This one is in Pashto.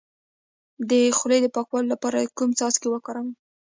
د خولې د پاکوالي لپاره کوم څاڅکي وکاروم؟